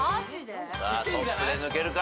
トップで抜けるか？